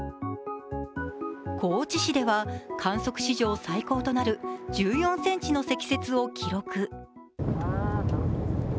高知市では観測史上最高となる１４ｃｍの積雪を記録。